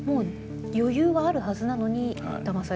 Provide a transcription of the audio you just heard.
余裕はあるはずなのにだまされる。